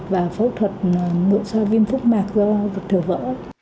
và phẫu thuật nội do viêm phúc mặt ruột thừa vỡ